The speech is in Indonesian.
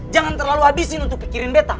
jangan terlalu habiskan untuk pikirin gue